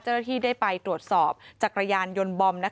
เจ้าหน้าที่ได้ไปตรวจสอบจักรยานยนต์บอม